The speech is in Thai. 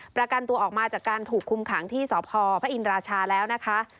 ประกันตัวออกมาจากการถูกคุมขังที่สพพระอินราชาแล้วนะคะ